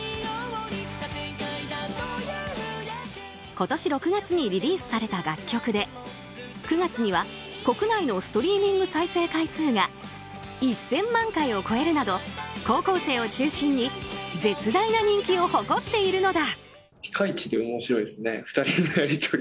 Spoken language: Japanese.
今年６月にリリースされた楽曲で９月には国内のストリーミング再生回数が１０００万回を超えるなど高校生を中心に絶大な人気を誇っているのだ。